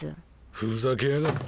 ふざけやがって。